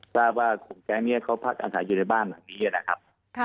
ทราบว่ากลุ่มแก๊งนี้เขาพักอาศัยอยู่ในบ้านหลังนี้นะครับ